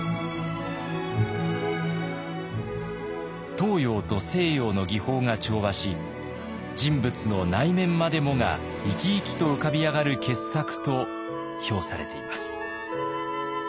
東洋と西洋の技法が調和し人物の内面までもが生き生きと浮かび上がる傑作と評されています。